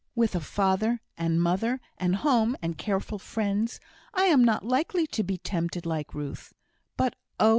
With a father and mother, and home and careful friends, I am not likely to be tempted like Ruth; but oh!